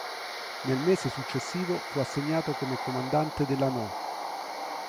Nel mese successivo fu assegnato come comandante della No.